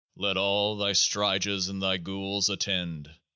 Let all thy stryges and thy ghouls attend